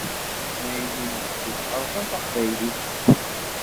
Icennayen n unebdu rẓan taqbaylit.